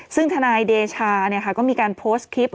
ซึ่งทนายเดชาก็มีการโพสต์คลิป